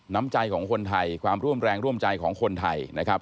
น้ำใจของคนไทยความร่วมแรงร่วมใจของคนไทยนะครับ